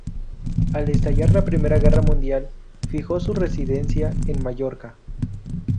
Al estallar la Primera Guerra Mundial, fijó su residencia en Mallorca.